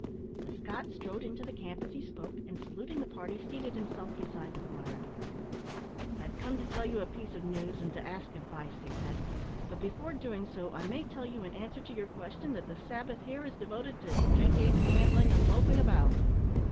The Scot strode into the camp as he spoke, and, saluting the party, seated himself beside the fire. "I've come to tell you a piece of news, and to ask advice," he said; "but before doing so, I may tell you, in answer to your question, that the Sabbath here is devoted to drinking, gambling, and loafing about."